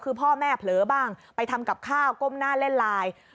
คือพ่อแม่เผลอบ้างไปทำกับข้าวก้มหน้าเล่นไลน์